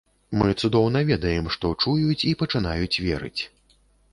Мы цудоўна ведаем, што чуюць і пачынаюць верыць.